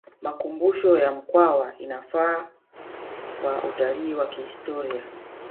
makumbusho ya mkwawa inafaa kwa utalii wa kihistoria